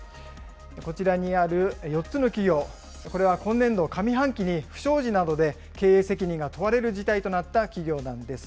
こちらにある４つの企業、これは今年度上半期に不祥事などで経営責任が問われる事態となった企業なんです。